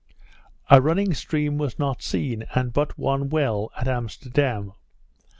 A running stream was not seen, and but one well, at Amsterdam.